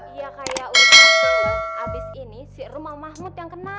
iya kayak urusan abis ini serum amahmud yang kena